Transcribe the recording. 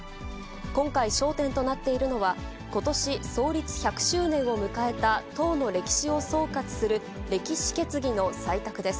今回、焦点となっているのは、ことし創立１００周年を迎えた党の歴史を総括する、歴史決議の採択です。